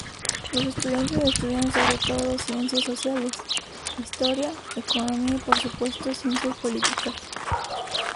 Los estudiantes estudian sobre todo ciencias sociales, historia, economía y por supuesto ciencias políticas.